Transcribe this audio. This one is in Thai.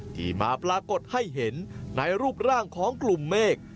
ที่มาปรากฏให้เห็นในรูปร่างของกลุ่มเมฆ